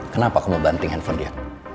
kenapa kamu membanting handphone dia